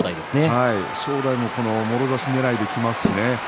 正代ももろ差しねらいできますしね。